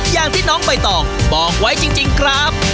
อย่างที่น้องใบตองบอกไว้จริงครับ